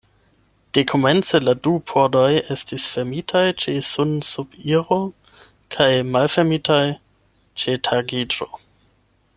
Dekomence la du pordoj estis fermitaj ĉe sunsubiro kaj malfermitaj ĉe tagiĝo.